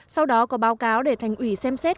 sau đó có báo cáo để thành ủy xem xét